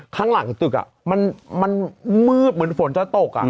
ข้างหลังตึกมันมืดเหมือนฝนจะตก